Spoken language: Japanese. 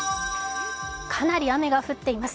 かなり雨が降っています。